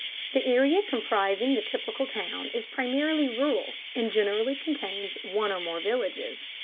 The area comprising the typical town is primarily rural, and generally contains one or more villages.